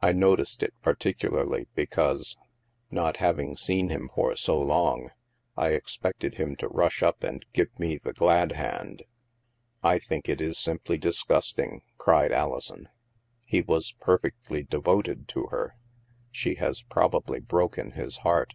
I noticed it particularly because, not having seen him for so long, I expected him to rush up and give me the glad hand." " I think it is simply disgusting," cried Alison. " He was perfectly devoted to her. She has prob ably broken his heart."